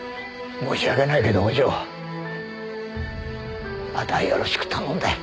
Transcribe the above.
申し訳ないけどお嬢あとはよろしく頼んだよ。